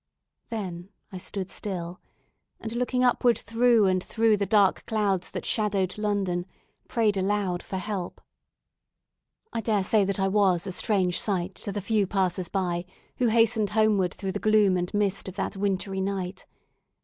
Then I stood still, and looking upward through and through the dark clouds that shadowed London, prayed aloud for help. I dare say that I was a strange sight to the few passers by, who hastened homeward through the gloom and mist of that wintry night.